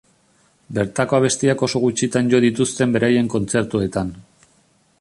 Bertako abestiak oso gutxitan jo dituzten beraien kontzertuetan.